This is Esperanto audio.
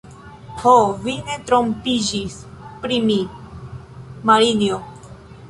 Ho, vi ne trompiĝis pri mi, Marinjo!